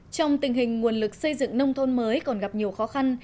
trong tình hình nguồn lực xây dựng nông thôn mới còn gặp nhiều khó khăn